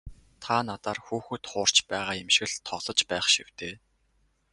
Та надаар хүүхэд хуурч байгаа юм шиг л тоглож байх шив дээ.